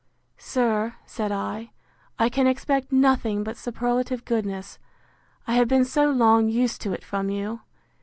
Sir, said I, I can expect nothing but superlative goodness, I have been so long used to it from you.